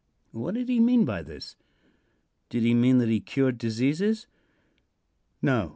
What did he mean by this? Did he mean that he cured diseases? No.